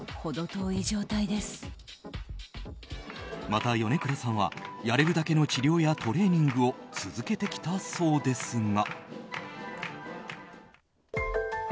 また、米倉さんはやれるだけの治療やトレーニングを続けてきたそうですが。